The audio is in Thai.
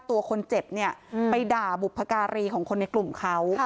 ตัวคนเจ็บเนี่ยไปด่าบุพการีของคนในกลุ่มเขา